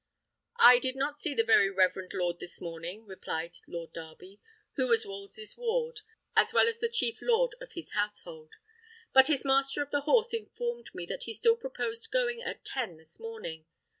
"I did not see the very reverend lord this morning," replied Lord Darby, who was Wolsey's ward, as well as the chief lord of his household. "But his master of the horse informed me that he still proposed going at ten this morning.